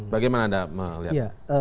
bagaimana anda melihatnya